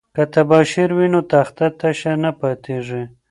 که تباشیر وي نو تخته تشه نه پاتیږي.